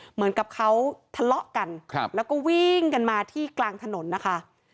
เหมือนกับเขาทะเลาะกันแล้วก็วิ่งกันมาที่กลางถนนนะคะ